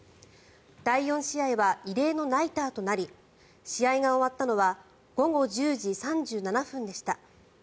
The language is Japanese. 第４試合は異例のナイターとなり試合が終わったのは午後１０時３７分でした。